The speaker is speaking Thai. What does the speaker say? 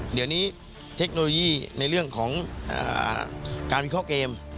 เดี๋ยวนี้เทคโนโลยีในเรื่องของการวิเคราะห์เกม